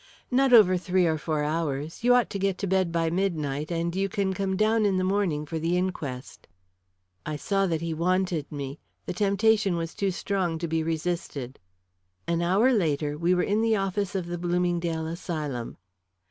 "Not over three or four hours. You ought to get to bed by midnight, and you can come down in the morning for the inquest." I saw that he wanted me; the temptation was too strong to be resisted. An hour later we were in the office of the Bloomingsdale asylum.